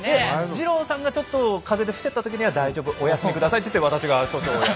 二朗さんがちょっと風邪で伏せった時には「大丈夫お休み下さい」と言って私が所長をやる。